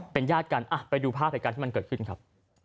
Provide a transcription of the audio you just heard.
เป็นญาติกันอ่ะไปดูภาพใดกันที่มันเกิดขึ้นครับ